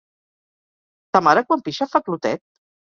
Ta mare quan pixa fa clotet?